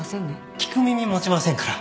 聞く耳持ちませんから。